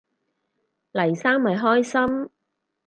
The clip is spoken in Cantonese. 黎生咪開心